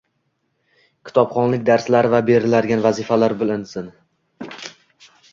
Kitobxonlik darslari va beriladigan vazifalar bilinsin.